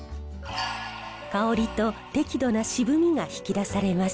香りと適度な渋みが引き出されます。